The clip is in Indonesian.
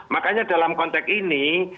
makanya dalam konteks ini